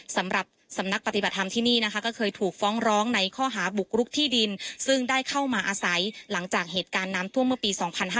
สำหรับสำนักปฏิบัติธรรมที่นี่นะคะก็เคยถูกฟ้องร้องในข้อหาบุกรุกที่ดินซึ่งได้เข้ามาอาศัยหลังจากเหตุการณ์น้ำท่วมเมื่อปี๒๕๕๙